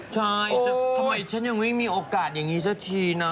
ใช่ทำไมฉันยังไม่มีโอกาสอย่างนี้สักทีเนาะ